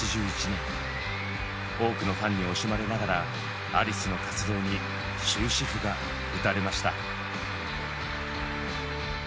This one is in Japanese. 多くのファンに惜しまれながらアリスの活動に終止符が打たれました。